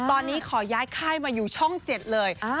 ตอนนี้ขอย้ายค่ายมาอยู่ช่องเจ็ดเลยอ้าว